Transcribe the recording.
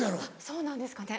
そうなんですかね？